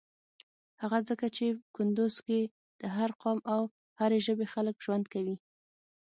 هغه ځکه چی کندوز کی د هر قام او هری ژبی خلک ژوند کویی.